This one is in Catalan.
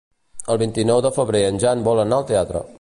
El vint-i-nou de febrer en Jan vol anar al teatre.